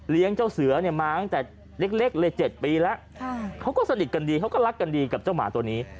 เจ้าเสือเนี่ยมาตั้งแต่เล็กเลย๗ปีแล้วเขาก็สนิทกันดีเขาก็รักกันดีกับเจ้าหมาตัวนี้